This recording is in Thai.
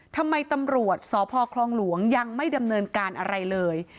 ตำรวจสพคลองหลวงยังไม่ดำเนินการอะไรเลย